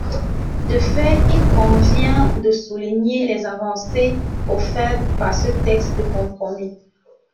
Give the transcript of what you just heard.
De fait, il convient de souligner les avancées offertes par ce texte de compromis.